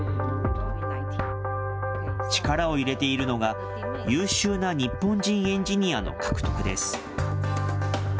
力を入れているのが、優秀な日本人エンジニアの獲得です。